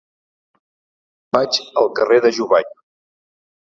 Vaig al carrer de Jubany.